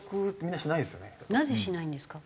なぜしないんですか？